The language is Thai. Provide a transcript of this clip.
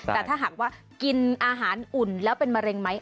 แต่ถ้าหากว่ากินอาหารอุ่นแล้วเป็นมะเร็งไหม